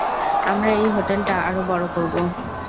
আমরা এই হোটেলটা আরো বড় করবো।